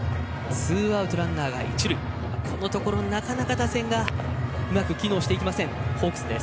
ツーアウトランナーは一塁このところなかなか打線が機能していきませんホークスです。